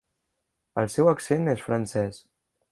El seu accent és francès.